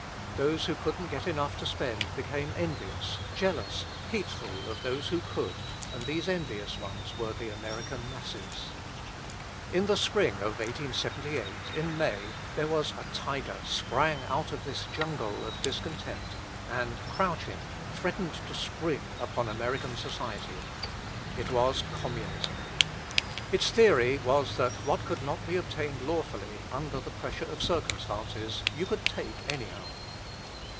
Those who couldn't get enough to spend became envious, jealous, hateful of those who could and these envious ones were the American masses. In the spring of 1878, in May, there was a tiger sprang out of this jungle of discontent, and, crouching, threatened to spring upon American Society. It was Communism. Its theory was that what could not be obtained lawfully, under the pressure of circumstances, you could take anyhow.